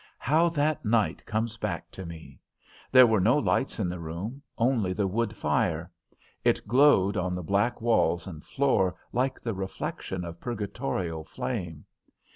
How that night comes back to me! There were no lights in the room, only the wood fire. It glowed on the black walls and floor like the reflection of purgatorial flame.